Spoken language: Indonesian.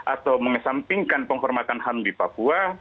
atau mengesampingkan penghormatan ham di papua